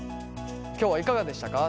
今日はいかがでしたか？